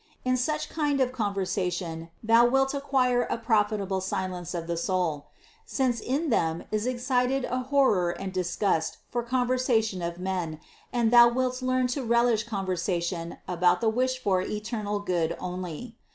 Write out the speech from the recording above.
In such kind of conversation thou wilt acquire a profitable silence of the soul; since in them is excited a horror and disgust for conversa tion of men and thou wilt learn to relish conversation 308 CITY OF GOD about the wished for eternal Good only.